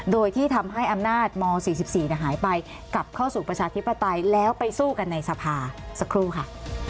โดยที่ทำให้อำนาจม๔๔หายไปกลับเข้าสู่ประชาธิปไตยแล้วไปสู้กันในสภาสักครู่ค่ะ